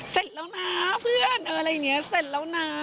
เสร็จแล้วนะเพื่อนอะไรอย่างนี้เสร็จแล้วนะ